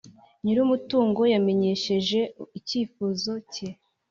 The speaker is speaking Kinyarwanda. nyir umutungo yamenyesheje icyifuzo cye